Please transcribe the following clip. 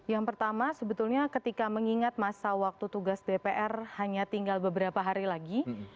yang pertama sebetulnya ketika mengingat masa waktu tugas dpr hanya tinggal beberapa hari lagi